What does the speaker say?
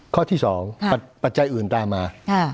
ข้อที่๒ปัจจัยอื่นตามมา